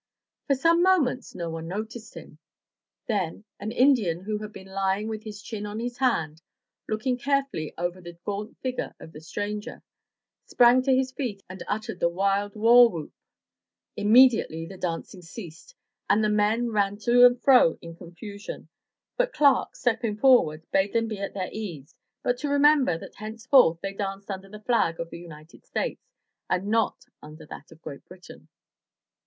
For some moments no one noticed him. Then an Indian who had been lying with his chin on his hand, looking carefully over the gaunt figure of the stranger, sprang to his feet, and uttered the wild war whoop. Immediately the dancing ceased and the men ran to 392 THE TREASURE CHEST and fro in confusion, but Clark, stepping forward, bade them be at their ease, but to remember that henceforth they danced under the flag of the United States, and not under that of Great Britain.